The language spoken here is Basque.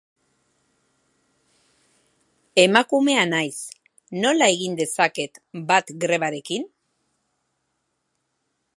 Emakumea naiz, nola egin dezaket bat grebarekin?